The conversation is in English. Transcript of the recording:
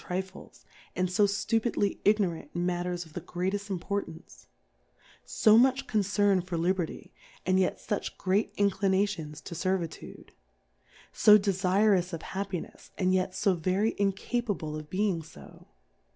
Trifles, and fo ftupidly Ignorant in Matters of the grcatefl: Importance ? So much Concern for Liberty, and yet fuch great Inclinations to Servitude ? So de fu'ous of Happinefs, and yet fo very in capable of being fo